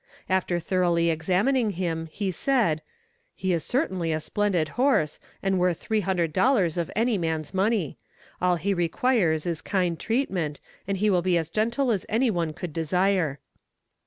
After thoroughly examining him he said: "He is certainly a splendid horse, and worth three hundred dollars of any man's money; all he requires is kind treatment, and he will be as gentle as any one could desire."